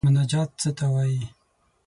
مناجات څه ته وايي.